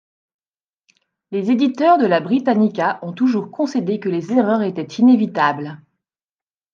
Les éditeurs de la Britannica ont toujours concédé que les erreurs étaient inévitables.